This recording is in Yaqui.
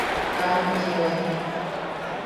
Kaa machibae.